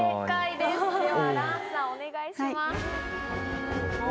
ではＲａｎさんお願いします。